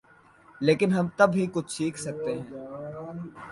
لیکن ہم تب ہی کچھ سیکھ سکتے ہیں۔